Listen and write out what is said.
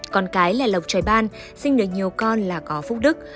con cái là lộc trời ban sinh được nhiều con là có phúc đức